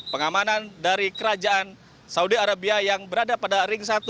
pengamanan dari kerajaan saudi arabia yang berada pada ring satu